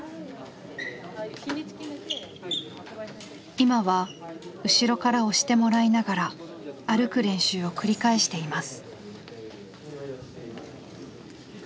今は後ろから押してもらいながら歩く練習を繰り返しています。